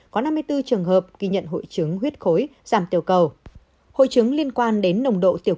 có năm mươi bốn trường hợp ghi nhận hội chứng huyết khối giảm tiểu cầu hội chứng liên quan đến nồng độ tiểu